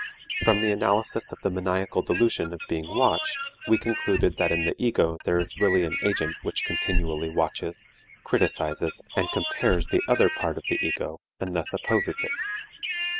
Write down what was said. From the analysis of the maniacal delusion of being watched we concluded that in the ego there is really an agent which continually watches, criticizes and compares the other part of the ego and thus opposes it.